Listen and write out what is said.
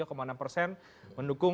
tadi bang adi pretno sudah mengatakan